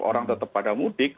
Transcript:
orang tetap pada mudik